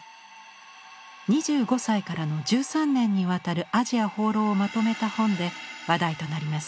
２５歳からの１３年にわたるアジア放浪をまとめた本で話題となります。